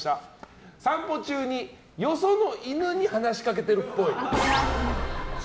散歩中によその犬に話しかけてるっぽい。